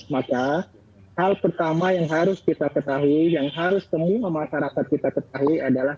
maka hal pertama yang harus kita ketahui yang harus semua masyarakat kita ketahui adalah